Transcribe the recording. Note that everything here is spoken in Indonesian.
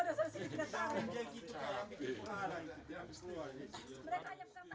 mereka masih tiga tahun